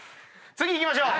次いきましょう。